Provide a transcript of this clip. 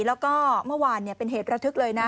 แล้วก็เมื่อวานเป็นเหตุระทึกเลยนะ